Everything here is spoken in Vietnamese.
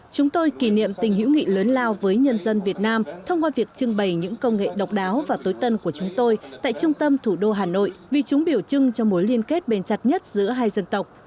chúng tôi kỷ niệm tình hữu nghị lớn lao với nhân dân việt nam thông qua việc trưng bày những công nghệ độc đáo và tối tân của chúng tôi tại trung tâm thủ đô hà nội vì chúng biểu trưng cho mối liên kết bền chặt nhất giữa hai dân tộc